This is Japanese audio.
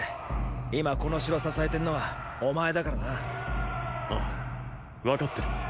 今この城支えてんのはお前だからな。ああ分かってる。